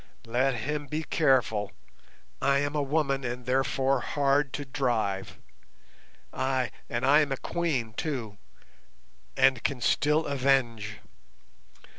"Let him be careful; I am a woman, and therefore hard to drive. Ay, and I am a Queen, too, and can still avenge.